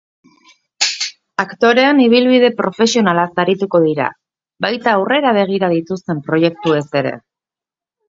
Aktoreen ibilbide profesionalaz arituko dira, baita aurrera begira dituzten proiektuez ere.